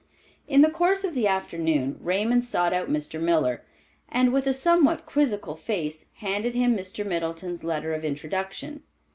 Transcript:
In the course of the afternoon Raymond sought out Mr. Miller, and with a somewhat quizzical face handed him Mr. Middleton's letter of introduction.